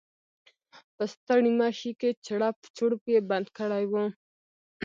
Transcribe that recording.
په ستړيمشې کې چړپ چړوپ یې بند کړی و.